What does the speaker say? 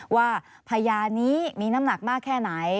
ว่าพยานนี้มีน้ำหนักมากแค่ไหน